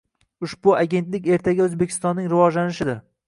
Ushbu agentlik ertaga Oʻzbekistonning rivojlanishidir